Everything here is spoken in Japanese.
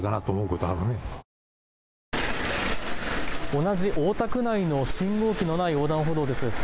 同じ大田区内の信号機のない横断歩道です。